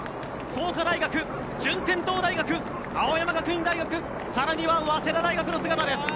創価大学、順天堂大学青山学院大学更には早稲田大学の姿です。